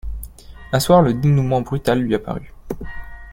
Un soir le dénoûment brutal lui apparut.